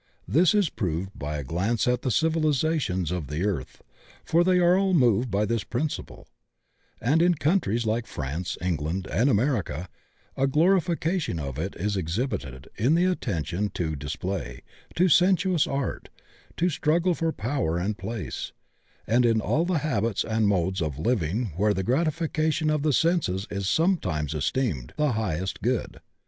This is proved by a glance at the civilizations of the earth, for they are all moved by this principle, and in countries like France, England, and America a glorification of it is exhibited in the attention to dis play, to sensuous art, to struggle for power and place, and in all the habits and modes of living where the gratification of the senses is sometimes esteemed the highest good.